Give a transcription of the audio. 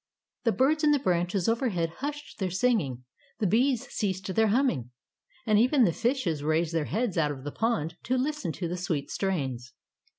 The birds in the branches overhead hushed their singing; the bees ceased their humming, and even the fishes raised their heads out of the pond to listen to the sweet strains.